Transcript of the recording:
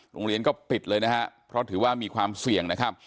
โรงเรียนก็ปิดเลยนะฮะเพราะถือว่ามีความเสี่ยงนะครับ